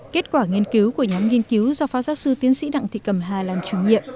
kết quả nghiên cứu của nhóm nghiên cứu do phó giáo sư tiến sĩ đặng thị cầm hà làm chủ nhiệm